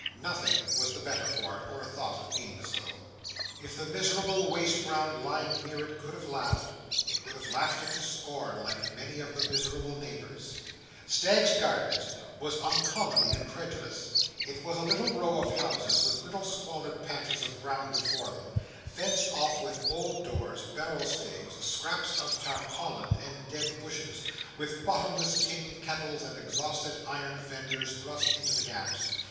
Nothing was the better for it, or thought of being so. If the miserable waste ground lying near it could have laughed, it would have laughed it to scorn, like many of the miserable neighbours. Staggs's Gardens was uncommonly incredulous. It was a little row of houses, with little squalid patches of ground before them, fenced off with old doors, barrel staves, scraps of tarpaulin, and dead bushes; with bottomless tin kettles and exhausted iron fenders, thrust into the gaps.